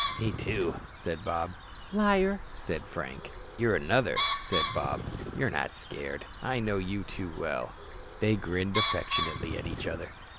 "Me, too," said Bob. "Liar," said Frank. "You're another," said Bob. "You're not scared. I know you too well." They grinned affectionately at each other.